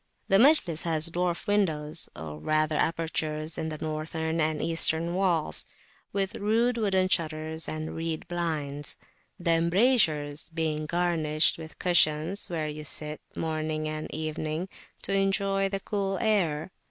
The Majlis has dwarf windows, or rather apertures in the northern and eastern walls, with rude wooden shutters and reed blinds; the embrasures being garnished with cushions, where you sit, morning and evening, to enjoy the cool air.